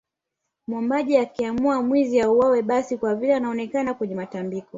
Mwombaji akiamua mwizi auawe basi kwa vile anaonekana kwenye matambiko